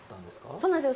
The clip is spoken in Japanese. そうなんですよ